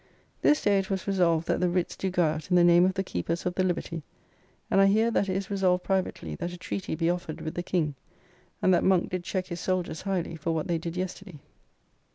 This day it was resolved that the writs do go out in the name of the Keepers of the Liberty, and I hear that it is resolved privately that a treaty be offered with the King. And that Monk did check his soldiers highly for what they did yesterday.